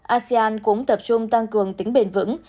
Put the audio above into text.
asean cũng tập trung tăng cường tính bền vững